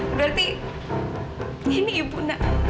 berarti ini ibu nak